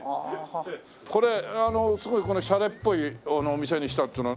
これすごいシャレっぽいお店にしたっていうのは。